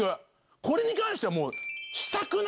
これに関しては。